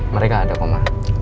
mereka ada kok mbak